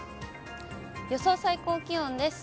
予想最高気温です。